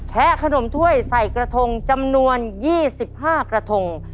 ขนมถ้วยใส่กระทงจำนวน๒๕กระทง